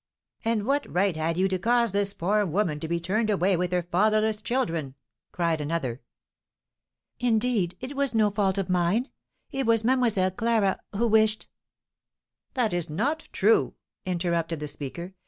"And what right had you to cause this poor woman to be turned away with her fatherless children?" cried another. "Indeed, it was no fault of mine. It was Mlle. Clara, who wished " "That is not true!" interrupted the speaker.